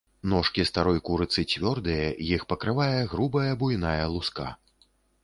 Ножкі старой курыцы цвёрдыя, іх пакрывае грубая буйная луска.